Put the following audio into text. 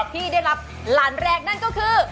ที่ได้รับแล้วนั่นก็คือ